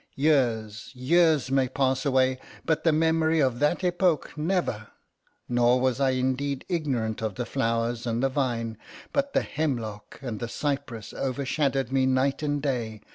Years—years may pass away, but the memory of that epoch—never! Nor was I indeed ignorant of the flowers and the vine—but the hemlock and the cypress overshadowed me night and day.